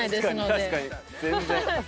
確かに全然。